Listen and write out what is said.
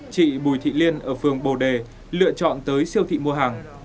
chị bùi thị liên ở phường bồ đề lựa chọn tới siêu thị mua hàng